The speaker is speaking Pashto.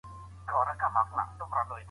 ابن عابدين رحمه الله فرمايي.